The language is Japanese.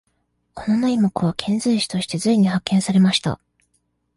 小野妹子は遣隋使として隋に派遣されました。